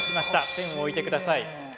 ペンを置いてください。